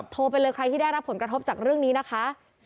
โทรไปเลยใครที่ได้รับผลกระทบจากเรื่องนี้นะคะ